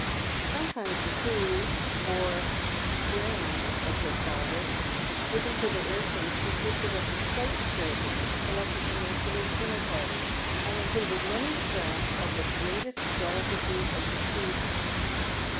Sometimes the food — or scran as they called it — given to the urchins consisted of the plate scrapings, collected from yesterday's dinner party, and included many scraps of the " greatest delicacies of the season."